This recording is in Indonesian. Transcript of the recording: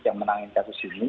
yang menangani kasus ini